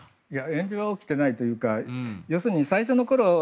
炎上は起きていないというか要するに最初のころ